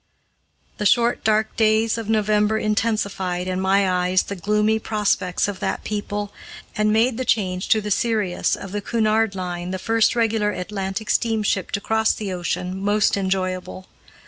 The short, dark days of November intensified, in my eyes, the gloomy prospects of that people, and made the change to the Sirius of the Cunard Line, the first regular Atlantic steamship to cross the ocean, most enjoyable.